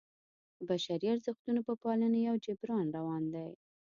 د بشري ارزښتونو په پالنې یو جبر روان دی.